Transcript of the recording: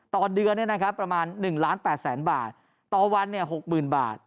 ต่อเดือนประมาณ๑ล้าน๘แสนบาทต่อวัน๖๐๐๐บาท